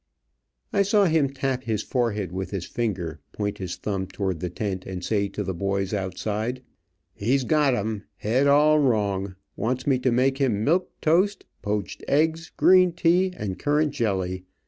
I saw him tap his forehead with his finger, point his thumb toward the tent, and say to the boys outside: "He's got 'em! Head all wrong! Wants me to make him milk toast, poached eggs, green tea, and currant jelly.